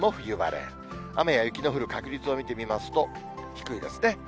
雨や雪の降る確率を見てみますと、低いですね。